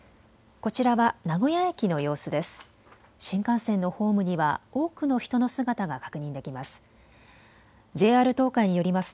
こちらは名古屋駅の様子です。